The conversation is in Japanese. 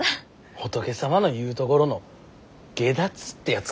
仏様の言うところの解脱ってやつかね。